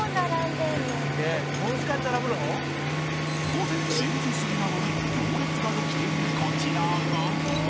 午前０時過ぎなのに行列ができているこちらが